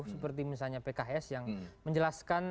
seperti misalnya pks yang menjelaskan